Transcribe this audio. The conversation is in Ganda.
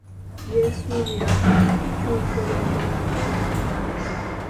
Y'esuubirwa okukyusa obulamu bw'abantu ba Buganda.